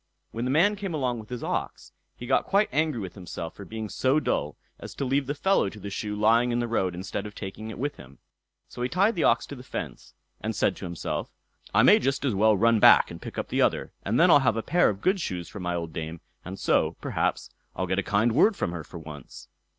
When the man came along with his ox, he got quite angry with himself for being so dull as to leave the fellow to the shoe lying in the road instead of taking it with him; so he tied the ox to the fence, and said to himself, "I may just as well run back and pick up the other, and then I'll have a pair of good shoes for my old dame, and so, perhaps, I'll get a kind word from her for once."